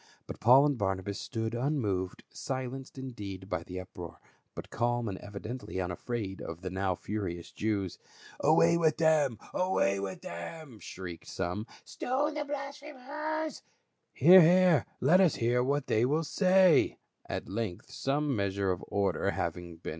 But Paul and Barnabas stood unmoved, silenced indeed by the uproar, but calm and evidently unafraid of the now furious Jews. "Away with them ! Away with them !" shrieked some, "Stone the blasphemers !"" Hear ! hear ! Let us hear what they will say !" At length some measure of order having been 288 PA UL.